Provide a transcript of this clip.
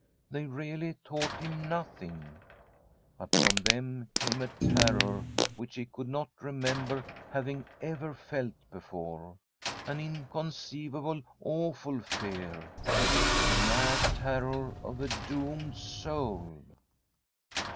They really taught him nothing ; but from them came a terror which he could not ["5l From a SfVEDISH HOMESTEAD remember having ever felt before — ^an inconceiv able, awful fear, the mad terror of a doomed soul.